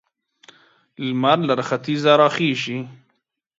لمر له ختيځه را خيژي.